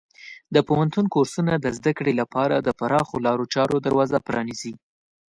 د پوهنتون کورسونه د زده کړې لپاره د پراخو لارو چارو دروازه پرانیزي.